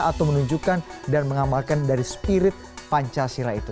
atau menunjukkan dan mengamalkan dari spirit pancasila itu